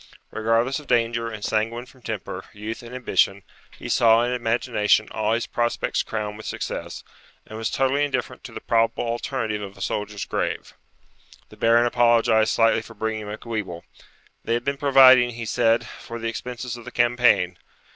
Regardless of danger, and sanguine from temper, youth, and ambition, he saw in imagination all his prospects crowned with success, and was totally indifferent to the probable alternative of a soldier's grave. The Baron apologized slightly for bringing Macwheeble. They had been providing, he said, for the expenses of the campaign.